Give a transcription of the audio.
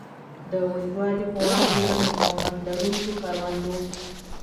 د وچوالي په وړاندې د مقاومت لرونکو کروندو.